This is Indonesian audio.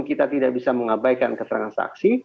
kita tidak bisa mengabaikan keterangan saksi